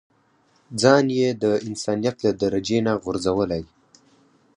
ځان يې د انسانيت له درجې نه غورځولی.